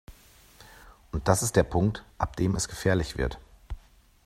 Und das ist der Punkt, ab dem es gefährlich wird.